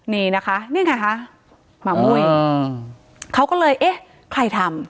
นี่นะคะนี่ไงคะหมามุ้ยเขาก็เลยเอ๊ะใครทำ